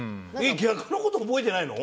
逆の事覚えてないの？